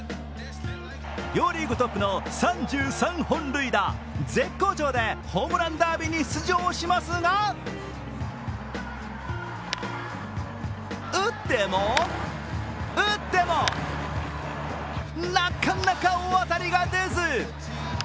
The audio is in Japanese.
両リーグトップの３３本塁打、絶好調でホームランダービーに出場しますが、打っても、打っても、なかなか大当たりが出ず。